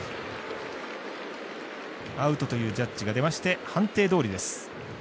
アウトというジャッジが出まして判定どおりです。